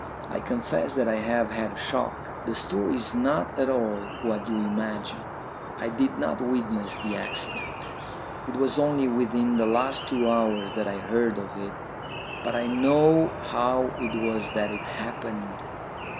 I confess that I have had a shock. The story is not at all what you imagine. I did not witness the accident; it was only within the last two hours that I heard of it, but I know how it was that it happened."